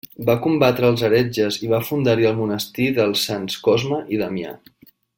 Va combatre als heretges i va fundar-hi el monestir dels Sants Cosme i Damià.